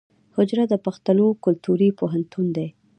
حجره د پښتنو کلتوري پوهنتون دی.